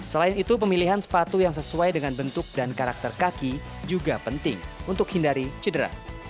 selain itu pemilihan sepatu yang sesuai dengan bentuk dan karakter kaki juga penting untuk hindari cedera